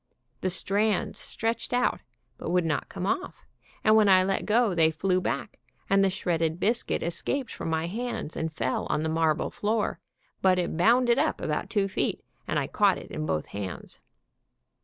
The strands stretched out, but would not come off, and when I let go they flew back, and the shredded biscuit escaped from my hands and fell on the marble floor, but it bounded up about two feet, and I caught it in both hands.